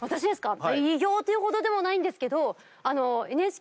偉業というほどでもないんですけど。